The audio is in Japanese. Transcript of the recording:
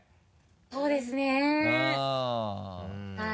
そうですねはい。